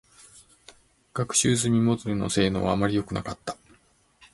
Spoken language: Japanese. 学習済みモデルの性能は、あまりよくなかった。